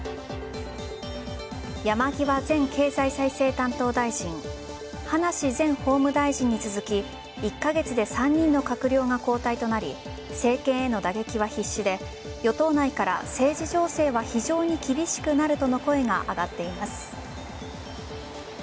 山際前経済再生担当大臣葉梨前法務大臣に続き１カ月で３人の閣僚が交代となり政権への打撃は必至で与党内から政治情勢は非常に厳しくなるとの声が上がっています。